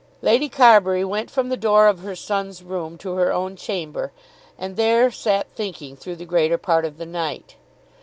Lady Carbury went from the door of her son's room to her own chamber, and there sat thinking through the greater part of the night.